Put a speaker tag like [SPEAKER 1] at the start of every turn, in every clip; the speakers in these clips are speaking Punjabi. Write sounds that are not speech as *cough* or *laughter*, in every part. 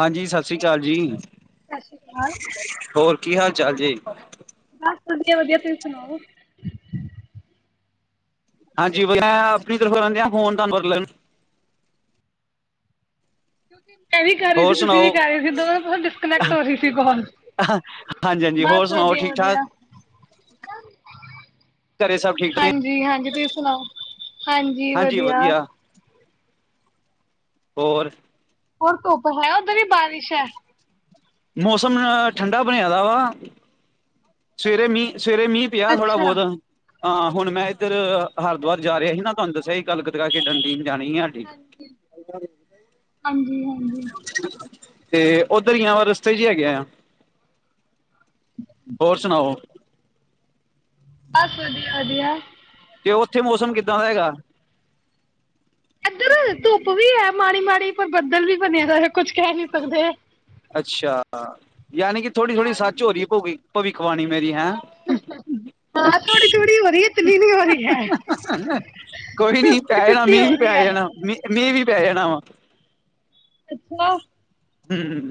[SPEAKER 1] ਹਾਂਜੀ ਸਤਿ ਸ੍ਰੀ ਅਕਾਲ ਜੀ।
[SPEAKER 2] ਸਤਿ ਸ਼੍ਰੀ ਅਕਾਲ
[SPEAKER 1] ਹੋਰ ਕੀ ਹਾਲ ਚਾਲ ਜੀ।
[SPEAKER 2] ਬਸ ਵਧੀਆ ਵਧੀਆ ਤੁਸੀਂ ਸੁਣਾਓ।
[SPEAKER 1] ਹਾਂਜੀ ਮੈਂ ਆਪਨੀ ਤਰਫੋਂ *inaudible*
[SPEAKER 2] *unintelligible* ਇਹ ਵੀ ਕਰ ਰਹੀ
[SPEAKER 1] ਹੋਰ
[SPEAKER 2] ਸੀ ਤੁਸੀਂ ਵੀ
[SPEAKER 1] ਸੁਣਾਓ
[SPEAKER 2] ਕਰ ਰਹੇ ਸੀ ਦੋ ਡਿਸਕਨਕਟ ਹੋ ਰਹੀ ਸੀ ਕਾਲ।
[SPEAKER 1] ਹਾਂਜੀ ਹਾਂਜੀ ਹੋਰ
[SPEAKER 2] ਬਸ
[SPEAKER 1] ਸੁਣਾਓ ਠੀਕ ਠਾਕ
[SPEAKER 2] ਵਧੀਆ-ਵਧੀਆ
[SPEAKER 1] ਘਰੇ ਸਭ ਠੀਕ ਨੇ
[SPEAKER 2] ਹਾਂਜੀ-ਹਾਂਜੀ ਤੁਸੀਂ ਸੁਣਾਓ ਹਾਂਜੀ ਵਧੀਆ।
[SPEAKER 1] ਹੋਰ
[SPEAKER 2] ਹੋਰ ਧੁੱਪ ਹੈ ਉੱਧਰ ਯਾ ਬਾਰਿਸ਼ ਹੈ।
[SPEAKER 1] ਮੌਸਮ ਠੰਡਾ ਬਣਿਆ ਦਾ ਵਾ। ਸਵੇਰੇ ਮੀ ਸਵੇਰੇ ਮੀਂਹ ਪਿਆ ਥੋੜਾ
[SPEAKER 2] ਅੱਛਾ
[SPEAKER 1] ਬਹੁਤ। ਹਾਂ ਹੁਣ ਮੈਂ ਇੱਧਰ ਹਰਦਵਾਰ
[SPEAKER 2] ਸਹੀ
[SPEAKER 1] ਜਾ
[SPEAKER 2] ਹੈ
[SPEAKER 1] ਰਿਹਾ ਹੀਨਾ ਤਾਨੂ ਦਸਿਆਹੀ। ਗੱਲ ਗਤ ਕਰ ਕੇ ਡੰਡੀ ਨੂ
[SPEAKER 2] ਹਾਂਜੀ ਹਾਂਜੀ ਹਾਂਜੀ।
[SPEAKER 1] ਤੇ ਓਧਰ ਹੀ ਆ ਰਸਤੇ ਚ ਹੀ ਹੈਗੇ ਆ। ਹੋਰ ਸੁਣਾਓ
[SPEAKER 2] ਬਸ, ਵਧੀਆ ਵਧੀਆ।
[SPEAKER 1] ਤੇ ਓਥੇ ਮੌਸਮ ਕਿੱਦਾਂ ਦਾ ਹੈਗਾ
[SPEAKER 2] ਐਧਰ ਧੁੱਪ ਵੀ ਹੈ ਮਾੜੀ ਮਾੜੀ ਪਰ ਬੱਦਲ ਵੀ ਬਣਿਆ ਦੈਐ ਕੁਝ ਕਹ ਨੀ ਸਕਦੇ।
[SPEAKER 1] ਅੱਛਾ। ਯਾਨੀ ਕਿ ਥੋੜ੍ਹੀ ਥੋੜੀ ਸੱਚ ਹੋ ਰਹੀ ਏ ਪਊਗੀ‌। ਭਵਿੱਖਵਾਣੀ ਮੇਰੀ। ਹੈ
[SPEAKER 2] ਥੋੜੀ ਥੋੜੀ ਹੋ ਰਹੀ ਹੈ ਇਤਨੀ ਨਹੀਂ ਹੋ ਰਹੀ ਹੈ
[SPEAKER 1] ਕੋਈ ਨੀ
[SPEAKER 2] ਫਿਫਟੀ
[SPEAKER 1] ਪੈ ਜਾਣਾ
[SPEAKER 2] ਫਿਫਟੀ
[SPEAKER 1] ਮੀ
[SPEAKER 2] ਹੋ
[SPEAKER 1] ਵੀ
[SPEAKER 2] ਰਹੀ
[SPEAKER 1] ਪੈ
[SPEAKER 2] ਹੈ
[SPEAKER 1] ਜਾਣਾ ਮੀ ਵੀ। ਪੈ ਜਾਣਾ ਵਾ।
[SPEAKER 2] ਅੱਛਾ।
[SPEAKER 1] ਹਮ।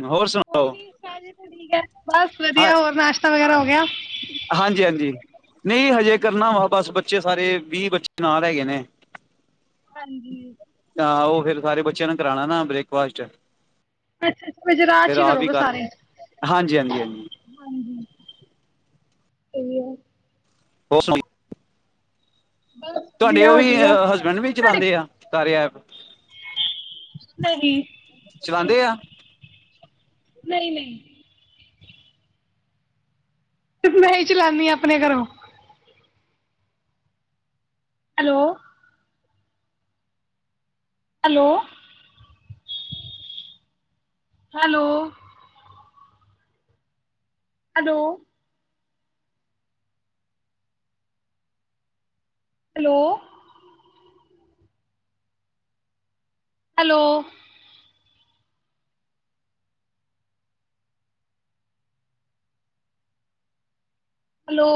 [SPEAKER 2] ਕੋਈ ਨੀ ਪੈਜੇ ਤੇ ਠੀਕ ਹੈ। ਬਸ
[SPEAKER 1] ਹਾਂ
[SPEAKER 2] ਵਧੀਆ, ਹੋਰ ਨਾਸ਼ਤਾ ਵਗੈਰਾ ਹੋ ਗਿਆ।
[SPEAKER 1] ਹਾਂਜੀ ਹਾਂਜੀ, ਨਹੀਂ ਹਜੇ ਕਰਨਾ ਵਾ। ਬਸ, ਬੱਚੇ ਸਾਰੇ ਵੀਹ ਬੱਚੇ ਨਾਲ ਹੈਗੇ ਨੇ।
[SPEAKER 2] ਹਾਂਜੀ।
[SPEAKER 1] ਹਾਂ ਉਹ ਫੇਰ ਸਾਰੇ ਬੱਚਿਆਂ ਨੂੰ ਕਰਾਣੈ ਨਾ ਬ੍ਰੇਕਫਾਸਟ।
[SPEAKER 2] ਅੱਛਾ ਅੱਛਾ ਅਜ ਰਾ
[SPEAKER 1] ਫੇਰ
[SPEAKER 2] ਚ ਈ
[SPEAKER 1] ਆਪ ਵੀ
[SPEAKER 2] ਕਰੋਗੇ
[SPEAKER 1] ਕਰ
[SPEAKER 2] ਸਾਰੇ
[SPEAKER 1] ਹਾਂਜੀ ਹਾਂਜੀ
[SPEAKER 2] ਹਾਂਜੀ। ਏਹੀਔ।
[SPEAKER 1] ਹੋ ਸੁਣੀ।
[SPEAKER 2] ਬਸ
[SPEAKER 1] ਤੁਹਾਡੇ
[SPEAKER 2] ਵਧੀਆ
[SPEAKER 1] ਔਹੀ
[SPEAKER 2] ਵਧੀਆ
[SPEAKER 1] ਹਸਬੈਂਡ ਵੀ
[SPEAKER 2] ਤੁਹਾਡੇ
[SPEAKER 1] ਚਲਾਉਂਦੇ ਐ, ਕਾਰਯੈ ਐਪ।
[SPEAKER 2] ਨਹੀਂ।
[SPEAKER 1] ਚਲਾਉਂਦੇ ਆ
[SPEAKER 2] ਨਹੀਂ ਨਹੀਂ। ਤੇ ਮੈਂ ਹੀ ਚਲਾਨੀ ਆ ਆਪਣੇ ਘਰੋਂ। Hello hello hello. Hello hello hello hello